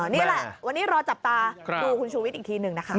นี่แหละวันนี้รอจับตาดูคุณชูวิทย์อีกทีหนึ่งนะคะ